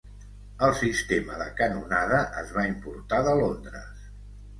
El sistema de canonada es va importar de Londres.